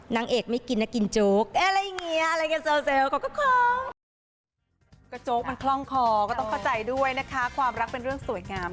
นางเอกไม่กินน่ะกินโจ๊กอะไรเงี้ยอะไรเงี้ยเซลล์